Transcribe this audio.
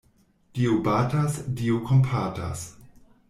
Dio batas, Dio kompatas.